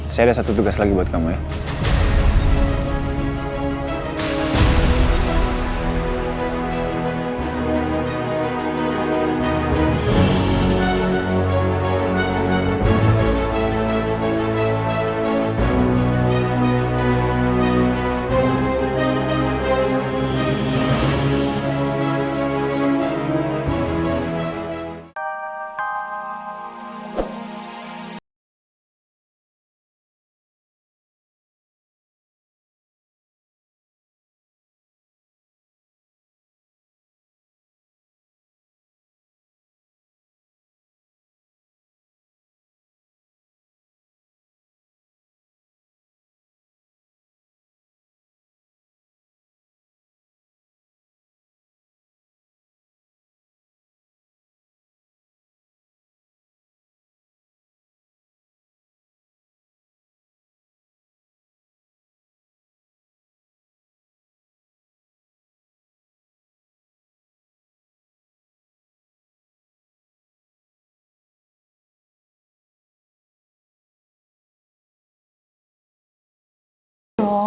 saya ada satu tugas lagi buat kamu ya